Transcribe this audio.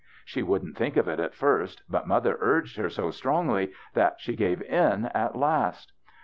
She wouldn't think of it at first, but mother urged her so strongly that she gave in at last.